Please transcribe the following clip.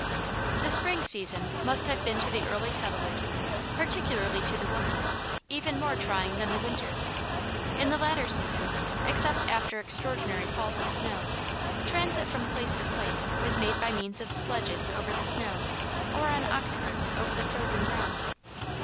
The spring season must have been to the early settlers, particularly to the women, even more trying than the winter. In the latter season, except after extraordinary falls of snow, transit from place to place was made by means of sledges over the snow or on ox carts over the frozen ground.